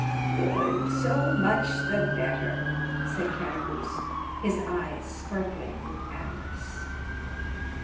Good, so much the better," said Caderousse, his eyes sparkling with avarice.